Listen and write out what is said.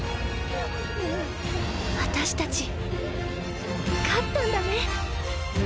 私たち勝ったんだね。